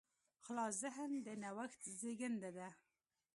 خلاص ذهن د نوښت زېږنده دی.